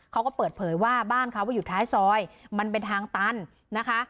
เขาก็เปิดเผยว่าบ้านเขาอยู่ท้ายซอยมันเป็นทางตันนะคะ